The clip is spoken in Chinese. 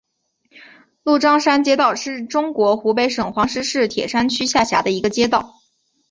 鹿獐山街道是中国湖北省黄石市铁山区下辖的一个街道。